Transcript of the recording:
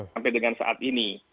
sampai dengan saat ini